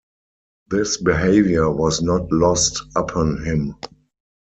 This behaviour was not lost upon him.